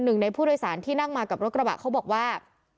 หนึ่งในผู้โดยสารที่นั่งมากับรถกระบะเขาบอกว่า